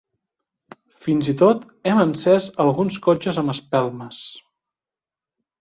Fins i tot hem encès alguns cotxes amb espelmes.